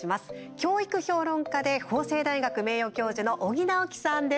教育評論家で法政大学名誉教授の尾木直樹さんです。